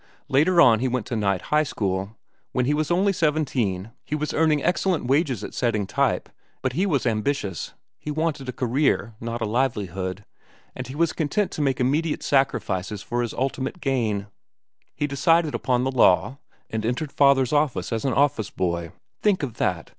Later on he went to night high school. When he was only seventeen, he was earning excellent wages at setting type, but he was ambitious. He wanted a career, not a livelihood, and he was content to make immediate sacrifices for his ultimate gain. He decided upon the law, and he entered father's office as an office boy—think of that!